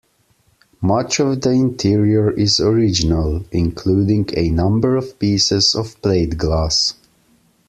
Much of the interior is original, including a number of pieces of plate glass.